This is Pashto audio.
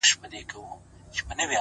د آتشي غرو د سکروټو د لاوا لوري”